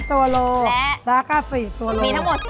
๓ตัวโลแล้วก็๔ตัวโล